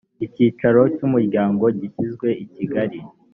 icyicaro cy umuryango gishyizwe i kigali